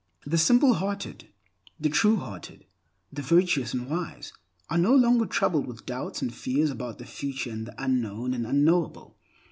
The simple hearted, the true hearted, the virtuous and wise, are no longer troubled with doubts and fears about the future and the unknown and unknowable.